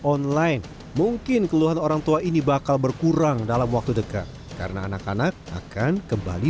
online mungkin keluhan orang tua ini bakal berkurang dalam waktu dekat karena anak anak akan kembali